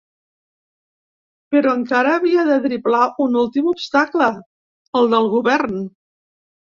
Però encara havia de driblar un últim obstacle, el del govern.